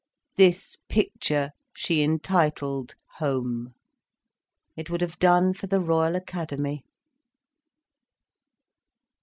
This picture she entitled "Home." It would have done for the Royal Academy.